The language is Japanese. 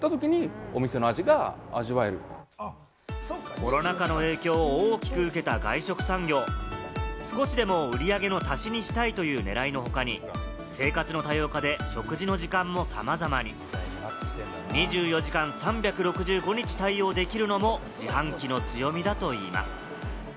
コロナ禍の影響を大きく受けた外食産業、少しでも売り上げの足しにしたいという狙いの他に生活の多様化で食事の時間もさまざまに、２４時間３６５日対応できるのも自販機の強みだといいます。